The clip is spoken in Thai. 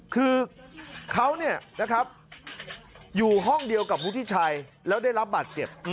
คือเขาอยู่ห้องเดียวกับวุฒิชัยแล้วได้รับบาดเจ็บ